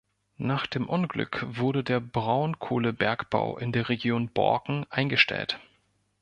Nach dem Unglück wurde der Braunkohlebergbau in der Region Borken eingestellt.